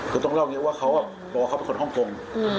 คือต้องเล่าอย่างนี้ว่าเขาบอกว่าเขาเป็นคนฮ่องกง